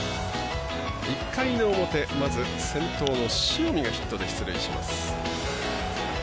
１回の表、まず先頭の塩見がヒットで出塁します。